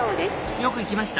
よく行きました？